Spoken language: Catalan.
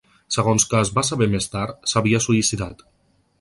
Segons que es va saber més tard, s’havia suïcidat.